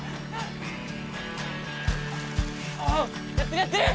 おうやってるやってる。